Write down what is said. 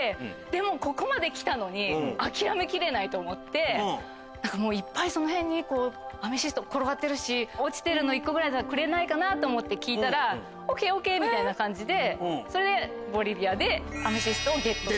でもここまで来たのに諦めきれない！と思っていっぱいその辺にアメシスト転がってるし落ちてるの１個ぐらいくれないかなと思って聞いたらＯＫＯＫ！みたいな感じでボリビアでアメシストをゲット。